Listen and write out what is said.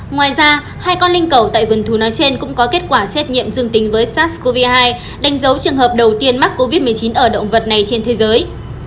ngoài ra hai con linh cầu tại vườn thú nói trên cũng có kết quả xét nghiệm dương tính với sars cov hai đánh dấu trường hợp đầu tiên mắc covid một mươi chín ở động vật này trên thế giới